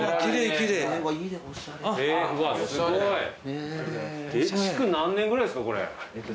築何年ぐらいですかこれ。